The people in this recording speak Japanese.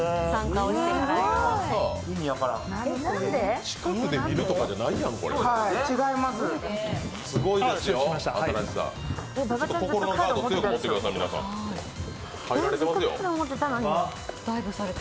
近くで見るとかじゃないやん、これ。